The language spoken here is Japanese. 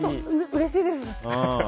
うれしいです。